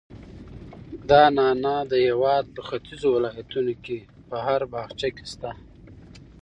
دا نعناع د هېواد په ختیځو ولایتونو کې په هر باغچه کې شته.